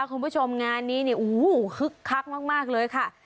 คุณผู้ชมงานนี้คึกคักมากเลยค่ะ